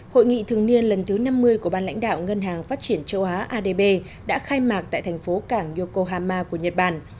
hội nghị thường niên lần thứ năm mươi của ban lãnh đạo ngân hàng phát triển châu á adb đã khai mạc tại thành phố cảng yokohama của nhật bản